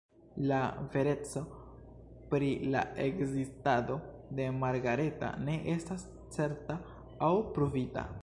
La vereco pri la ekzistado de Margareta ne estas certa aŭ pruvita.